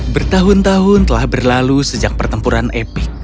bertahun tahun telah berlalu sejak pertempuran epic